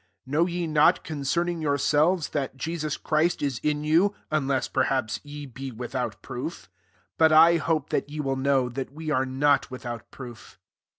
Know ye not concerning' your selves, that Jesus Christ is in you, unless perhaps ye be with out proof? 6 But I hope that ye will know that we are not without proof.